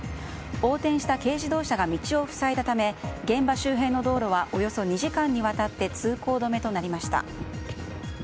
横転していた軽自動車が道を塞いだため現場周辺の道路はおよそ２時間にわたって通行止めとなりました。